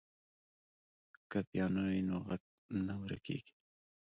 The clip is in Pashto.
که پیانو وي نو غږ نه ورکېږي.